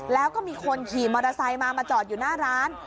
แล้วก็มีคนขี่มอเตอร์ไซค์มามาจอดอยู่หน้าร้าน